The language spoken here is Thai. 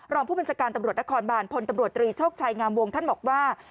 รองผู้บัญชาการตำรวจนครบานพลตำรวจตรีโชคชัยงามวงท่านบอกว่า